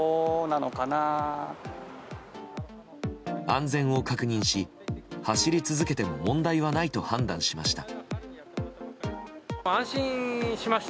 安全を確認し走り続けても問題はないと判断しました。